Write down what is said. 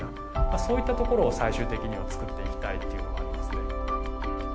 そういったところを最終的には作っていきたいっていうのがありますね。